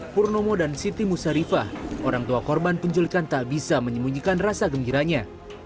purnomo dan siti musarifah orang tua korban penculikan tak bisa menyembunyikan rasa gembiranya